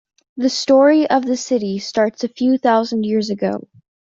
The story of the city starts a few thousand years ago.